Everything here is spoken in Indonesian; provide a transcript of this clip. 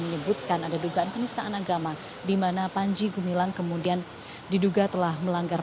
menyebutkan ada dugaan penistaan agama dimana panji gumilang kemudian diduga telah melanggar